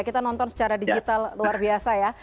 kita nonton secara digital luar biasa ya